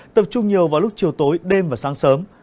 tập trung nhiều vào lúc chiều tối đêm và sáng sớm